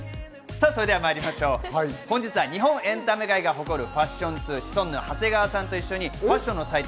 本日は日本エンタメ界が誇るファッション通、シソンヌ・長谷川さんと一緒にファッションの祭典